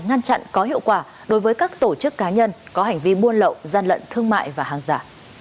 ngăn chặn có hiệu quả đối với các tổ chức cá nhân có hành vi buôn lậu gian lận thương mại và hàng giả